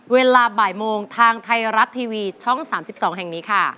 เวลาบ่ายโมงทางไทยรัฐทีวีช่อง๓๒แห่งนี้ค่ะ